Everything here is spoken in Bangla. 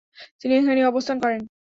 তিনি এখানেই অবস্থান করেন।